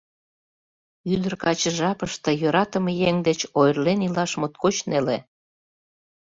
Ӱдыр-каче жапыште йӧратыме еҥ деч ойырлен илаш моткоч неле.